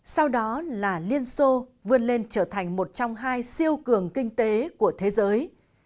sau đó là liên xô vươn lên trở thành một trong hai siêu cường kinh tế của thế giới